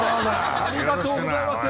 ありがとうございます。